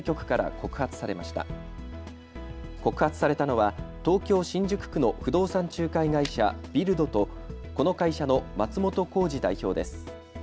告発されたのは東京新宿区の不動産仲介会社、ビルドとこの会社の松本幸二代表です。